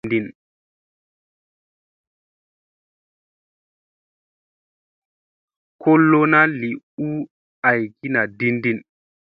Ko lona li u agiya na din din.